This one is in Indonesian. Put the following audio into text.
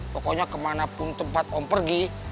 pokoknya kemanapun tempat om pergi